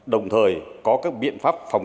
đồng thời có các biện pháp phòng